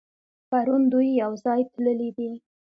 پرون دوی يوځای تللي دي.